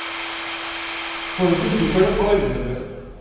Qqlen d imeddukal uqriben.